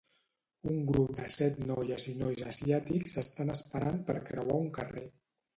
Un grup de set noies i nois asiàtics estan esperant per creuar un carrer.